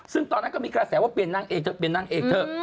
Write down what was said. ซึ่งตอนนั้นก็มีกระแสว่าเปลี่ยนนางเอกเถอะเปลี่ยนนางเอกเถอะ